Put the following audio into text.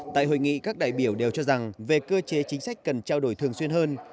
tại hội nghị các đại biểu đều cho rằng về cơ chế chính sách cần trao đổi thường xuyên hơn